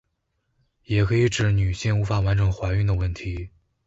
也可以指女性无法完整怀孕的问题。